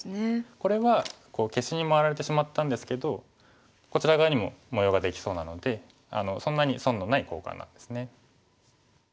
これは消しに回られてしまったんですけどこちら側にも模様ができそうなのでそんなに損のない交換なんですね。